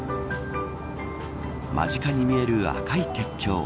間近に見える赤い鉄橋。